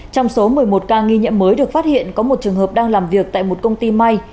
trong số một mươi một ca nghi nhiễm mới được phát hiện có một trường hợp đang làm việc tại một công ty may